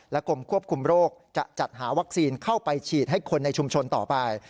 กรมควบคุมโรคจะจัดหาวัคซีนเข้าไปฉีดให้คนในชุมชนต่อไป